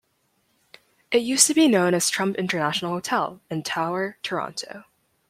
It used to be known as Trump International Hotel and Tower Toronto.